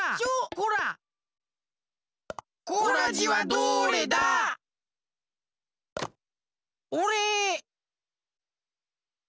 コラジはどれだ？おれ！